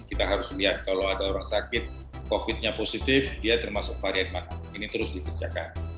kita harus lihat kalau ada orang sakit covid nya positif dia termasuk varian mana ini terus dikerjakan